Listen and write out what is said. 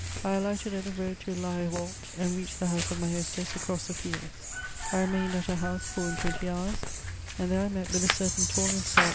I alighted at the road to La Re volte, and reached the house of my hostess across the fields. I remained at her house four and twenty hours, and there I met with a certain tall and stout M.